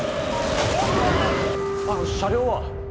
あの車両は？